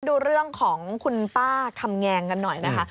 ดูเรื่องของคุณป้าคำแงงกันหน่อยนะคะ